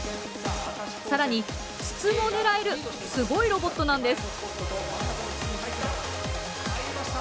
更に筒も狙えるすごいロボットなんです。